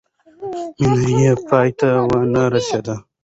مینه یې پای ته ونه رسېده.